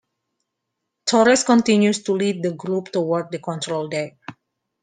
Torres continues to lead the group towards the control deck.